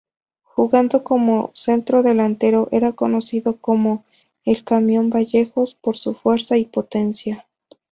Jugando como centrodelantero era conocido como "El Camión Vallejos", por su fuerza y potencia.